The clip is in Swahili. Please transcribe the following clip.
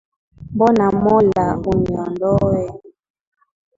Mbona mola uniondoe